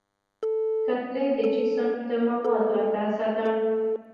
کتلې د جسم د موادو اندازه ده.